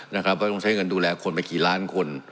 ว่าต้องใช้เงินดูแลคนไปกี่ล้านคน